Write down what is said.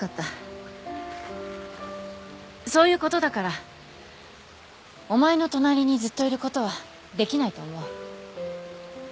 そういうことだからお前の隣にずっといることはできないと思う。